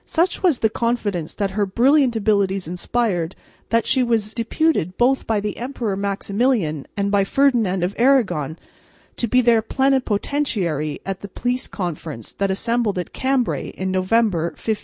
Such was the confidence that her brilliant abilities inspired that she was deputed both by the Emperor Maximilian and by Ferdinand of Aragon to be their plenipotentiary at the Peace Congress that assembled at Cambray in November, 1508.